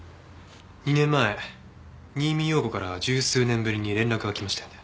２年前新見陽子から十数年ぶりに連絡が来ましたよね？